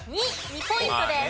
２ポイントです。